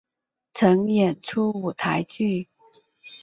曾演出舞台剧。